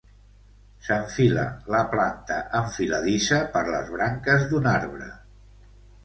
S'enfila la planta enfiladissa per les branques d'un arbre.